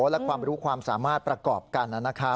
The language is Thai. และความรู้ความสามารถประกอบกันนะครับ